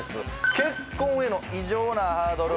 「結婚への異常なハードル」